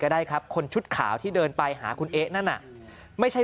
ได้ครับคนชุดขาวที่เดินไปหาคุณเอ๊ะนั่นน่ะไม่ใช่